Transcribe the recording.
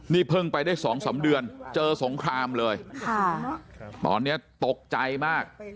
นี่เพิ่งไปได้สองสามเดือนเจอสงครามเลยตอนนี้ตกใจมาก